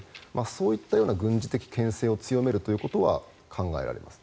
そういった軍事的けん制を強めるということは考えられます。